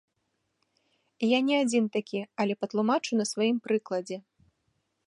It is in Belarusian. Я не адзін такі, але патлумачу на сваім прыкладзе.